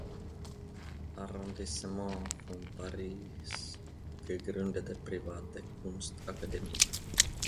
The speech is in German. Arrondissement von Paris gegründete private Kunstakademie.